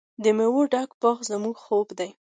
د میوو ډک باغونه زموږ خوب دی.